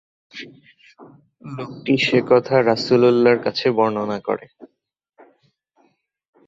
লোকটি সে কথা রাসূলুল্লাহর কাছে বর্ণনা করে।